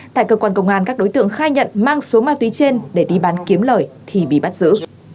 tại cơ quan công an các đối tượng khai nhận mang số ma túy trên để đi bán kiếm lời thì bị bắt giữ